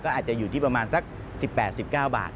อาจจะอยู่ที่ประมาณสัก๑๘๑๙บาท